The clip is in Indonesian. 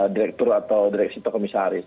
direktur atau direksi atau komisaris